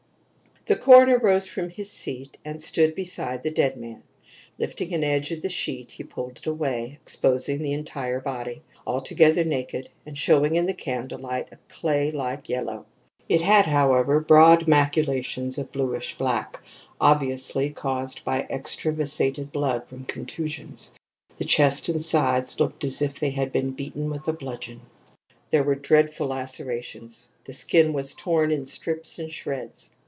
III The coroner rose from his seat and stood beside the dead man. Lifting an edge of the sheet he pulled it away, exposing the entire body, altogether naked and showing in the candle light a clay like yellow. It had, however, broad maculations of bluish black, obviously caused by extravasated blood from contusions. The chest and sides looked as if they had been beaten with a bludgeon. There were dreadful lacerations; the skin was torn in strips and shreds.